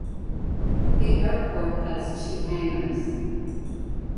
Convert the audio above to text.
The airport has two hangars.